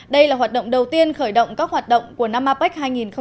đây là hoạt động đầu tiên khởi động các hoạt động của năm apec hai nghìn một mươi bảy